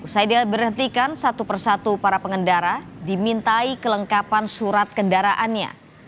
saya diberhentikan satu persatu para pengendara dimintai kelengkapan surat kendaraannya